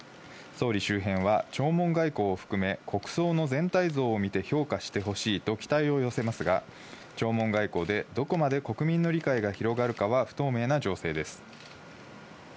総理周辺は弔問外交を含め、国葬の全体像を見て評価してほしいと期待を寄せますが、弔問外交でどこまで国民の理解が広がるかは不透明な情勢です。